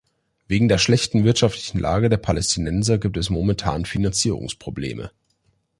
Wegen der schlechten wirtschaftlichen Lage der Palästinenser, gibt es momentan Finanzierungsprobleme.